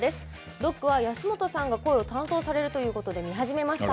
「ＤＯＣ」は安元さんが声を担当されるということで見始めました。